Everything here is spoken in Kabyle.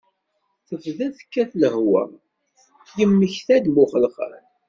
Tebda kan tekkat lehwa, yemmekta-d mm uxelxal.